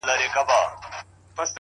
اشنـا په دې چــلو دي وپوهـېدم.!